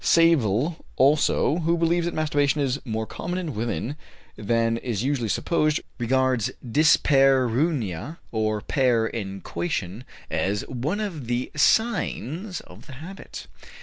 Savill, also, who believes that masturbation is more common in women than is usually supposed, regards dyspareunia, or pain in coition, as one of the signs of the habit.